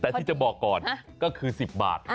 แต่ที่จะบอกก่อนก็คือ๑๐บาท